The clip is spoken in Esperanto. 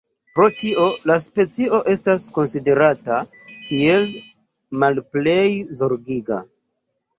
Pro tio la specio estas konsiderata kiel "Malplej Zorgiga".